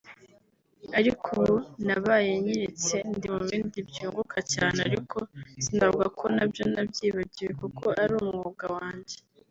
ariko ubu nabaye nyiretse ndi mu bindi byunguka cyane ariko sinavuga ko nabyo nabyibagiwe kuko ari umwuga wanjye